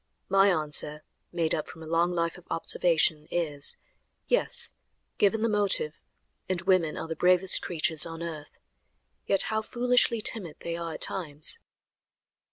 My answer, made up from a long life of observation, is: "Yes! Given the motive, and women are the bravest creatures on earth." Yet how foolishly timid they are at times!